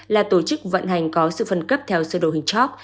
là tổ chức vận hành có sự phân cấp theo sơ đồ hình top